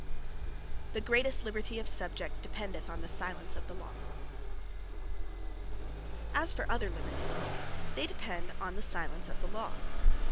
The Greatest Liberty Of Subjects, Dependeth On The Silence Of The Law As for other Lyberties, they depend on the silence of the Law.